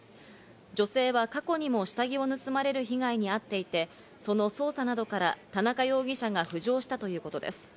女性は過去にも下着を盗まれる被害に遭っていて、その捜査などから田中容疑者が浮上したということです。